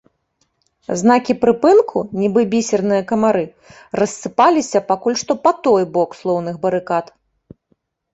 Знакі прыпынку, нібы бісерныя камары, рассыпаліся пакуль што па той бок слоўных барыкад.